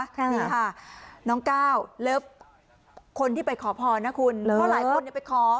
ครั้งนี้ค่ะน้องก้าวเลิฟคนที่ไปขอพรนะคุณเพราะหลายคนไปขอ